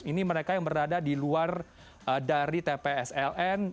ini mereka yang berada di luar dari tpsln